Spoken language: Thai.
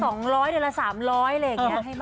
เดือนละ๒๐๐เดือนละ๓๐๐อะไรอย่างนี้